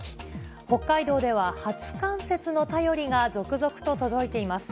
北海道では初冠雪の便りが続々と届いています。